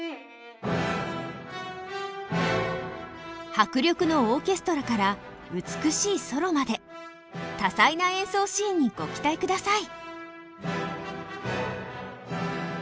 迫力のオーケストラから美しいソロまで多彩な演奏シーンにご期待ください。